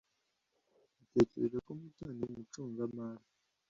Natekereje ko Mutoni yari umucungamari.